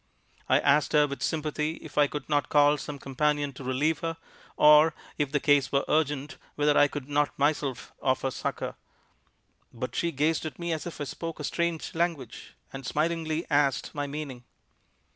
I asked her with sympathy if I could not call some companion to relieve her, or, if the case were urgent, whether I could not myself offer succor. But she gazed at me as if I spoke a strange language, and smilingly asked my meaning.